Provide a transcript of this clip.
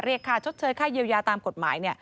ค่าชดเชยค่าเยียวยาตามกฎหมาย